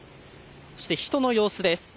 そして、人の様子です。